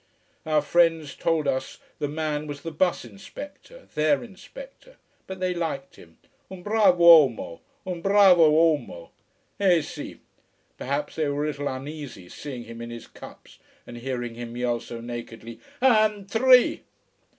Our friends told us the man was the bus inspector their inspector. But they liked him. "Un brav' uomo! Un bravo uomo! Eh si!" Perhaps they were a little uneasy, seeing him in his cups and hearing him yell so nakedly: AND THREE!